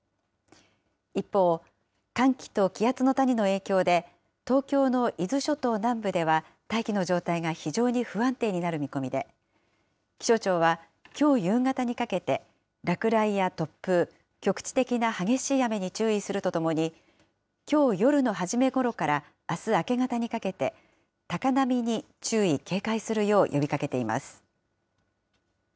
一方、寒気と気圧の谷の影響で、東京の伊豆諸島南部では、大気の状態が非常に不安定になる見込みで、気象庁はきょう夕方にかけて、落雷や突風、局地的な激しい雨に注意するとともに、きょう夜の初めごろからあす明け方にかけて、高波に注意警戒するよう呼びかけています。